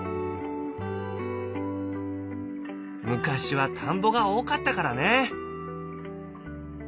昔は田んぼが多かったからね。